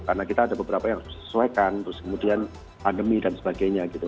karena kita ada beberapa yang sesuaikan terus kemudian pandemi dan sebagainya gitu